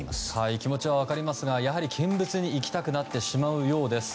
気持ちは分かりますが見物に行きたくなってしまうようです。